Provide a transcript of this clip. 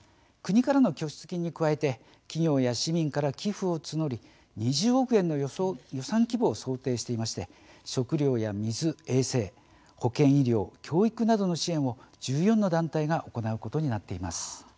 国からの拠出金に加えて企業や市民から寄付を募り２０億円の予算規模を想定していまして、食料や水衛生、保健・医療、教育などの支援を１４の団体が行うことになっています。